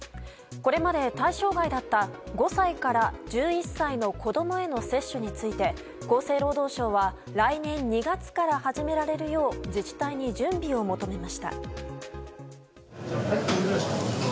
これまで対象外だった５歳から１１歳の子どもへの接種について、厚生労働省は、来年２月から始められるよう、自治体に準備を求めました。